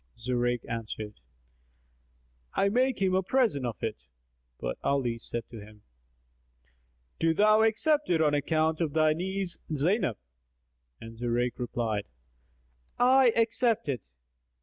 Zurayk answered "I make him a present of it;" but Ali said to him, "Do thou accept it on account of thy niece Zaynab." And Zurayk replied, "I accept it."